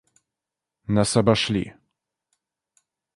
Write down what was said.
Нас обошли!